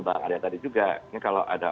bang arya tadi juga ini kalau ada